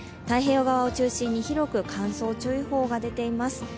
太平洋側を中心に広く乾燥注意報が出ています。